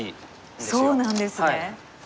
そうなんですね。